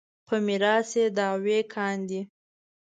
په میراث یې دعوې کاندي.